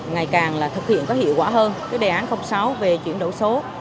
ngày càng là thực hiện có hiệu quả hơn cái đề án sáu về chuyển đổi số